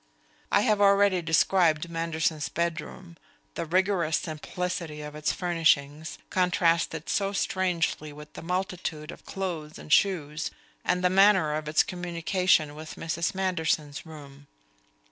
I have already described Manderson's bedroom, the rigorous simplicity of its furnishings, contrasted so strangely with the multitude of clothes and shoes, and the manner of its communication with Mrs. Manderson's room.